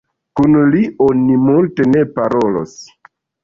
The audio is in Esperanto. Kun li oni multe ne parolos!